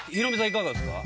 いかがですか？